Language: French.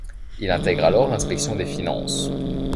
Il intègre alors l'Inspection des finances.